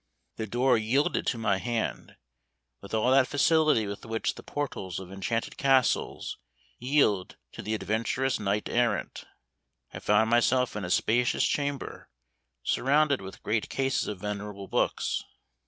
The door yielded to my hand, with all that facility with which the portals of enchanted castles yield to the adventurous knight errant. I found myself in a spacious chamber, surrounded with great cases of venerable books.